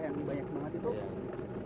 yang banyak banget itu